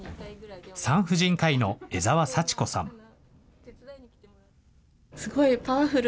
産婦人科医の江澤佐知子さん。